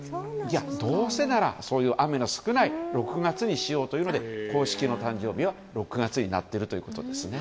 どうせなら、そういう雨の少ない６月にしようというので公式の誕生日は６月になっているということですね。